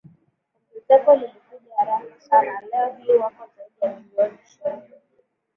Ongezeko lilikuja haraka sanaLeo hii wako zaidi ya milioni ishirini